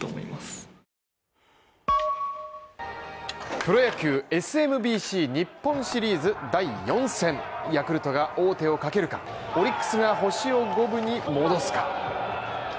プロ野球ＳＭＢＣ日本シリーズ第４戦ヤクルトが王手をかけるか、オリックスが星を５分に戻すか。